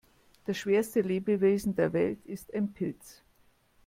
Das schwerste Lebewesen der Welt ist ein Pilz.